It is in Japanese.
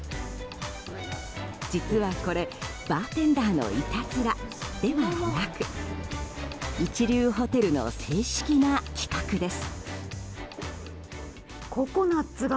実はこれバーテンダーのいたずらではなく一流ホテルの正式な企画です。